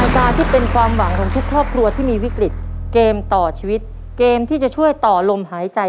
การที่เป็นความหวังของทุกครอบครัวที่มีวิกฤตเกมต่อชีวิตเกมที่จะช่วยต่อลมหายใจ